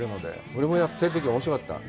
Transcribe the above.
俺もやってるとき、おもしろかった。